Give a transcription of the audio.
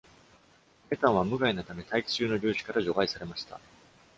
メタンは無害なため、大気中の粒子から除外されました。